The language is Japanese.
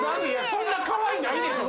そんなかわいないでしょ。